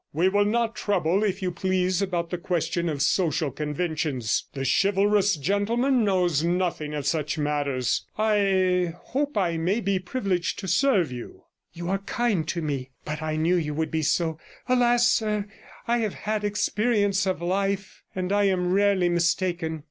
We will not trouble, if you please, about the question of social conventions; the chivalrous gentleman knows nothing of such matters. I hope I may be privileged to serve you.' 'You are very kind to me, but I knew it would be so. Alas! sir, I have had experience of life, and I am rarely mistaken.